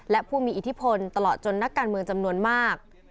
และผู้มีอิทธิพลตลอดจนนักการเมืองจำนวนมาก